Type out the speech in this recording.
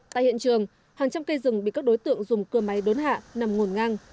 tại hiện trường hàng trăm cây rừng bị các đối tượng dùng cưa máy đốn hạ nằm ngổn ngang